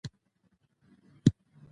سطحي تجربو د هغه روح ته قناعت ورنکړ.